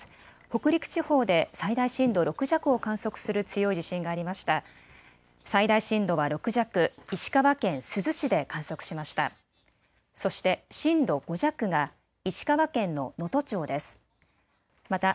北陸地方で最大震度６弱を観測する強い地震がありました。